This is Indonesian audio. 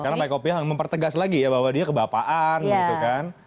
karena pak kopi mempertegas lagi ya bahwa dia kebapaan gitu kan